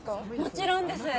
もちろんです。